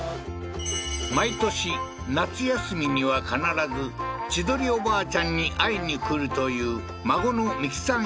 毎年夏休みには必ず千鳥おばあちゃんに会いに来るという孫の美紀さん